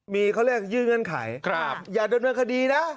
มีเขาเรียกยื่นเงื่อนไขออย่าดำเนินคดีนะ